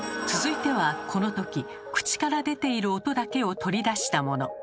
続いてはこの時口から出ている音だけを取り出したもの。